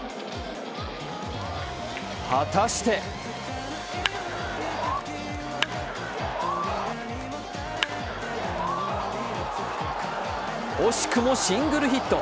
果たして惜しくもシングルヒット。